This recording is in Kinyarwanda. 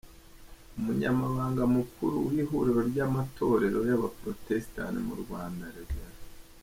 Umunyamabanga Mukuru w’Ihuriro ry’Amatorero y’Abaprotestani mu Rwanda, Rev.